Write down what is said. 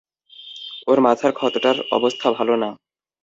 ওর মাথার ক্ষতটার অবস্থা ভালো না।